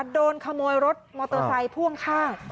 โดนขโมยรถมอเตอร์ไซค์พ่วงข้าง